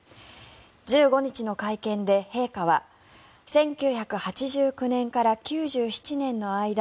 １５日の会見で陛下は１９８９年から９７年の間